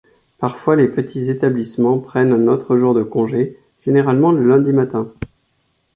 Parfois, les petits établissements prennent un autre jour de congé, généralement le lundi matin.